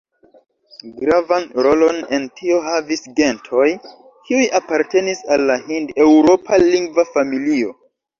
Gravan rolon en tio havis gentoj, kiuj apartenis al la hind-eŭropa lingva familio.